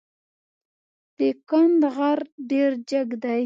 د کند غر ډېر جګ دی.